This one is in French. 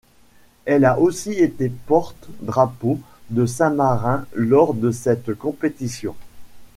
Elle a aussi été porte drapeau de Saint-Marin lors de cette compétition.